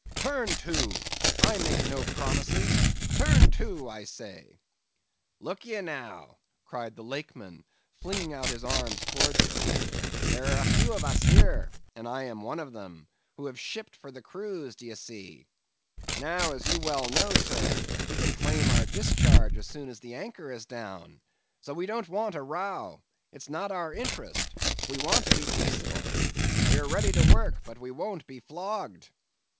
"'Turn to! I make no promises, turn to, I say!' "'Look ye, now,' cried the Lakeman, flinging out his arm towards him, 'there are a few of us here (and I am one of them) who have shipped for the cruise, d'ye see; now as you well know, sir, we can claim our discharge as soon as the anchor is down; so we don't want a row; it's not our interest; we want to be peaceable; we are ready to work, but we won't be flogged.